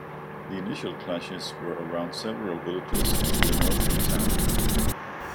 The initial clashes were around several villages to the north of the town.